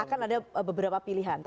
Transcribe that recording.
akan ada beberapa pilihan